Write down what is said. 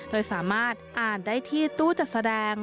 โดยสามารถอ่านได้ที่ตู้จัดแสดง